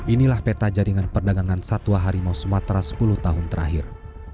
inilah peta jaringan perdagangan satwa harimau sumatera sepuluh tahun terakhir